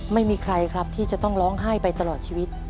ไม่มีใครครับที่จะต้องร้องไห้ไปตลอดชีวิต